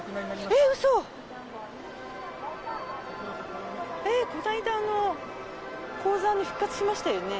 えっ、この間、高座に復活しましたよね。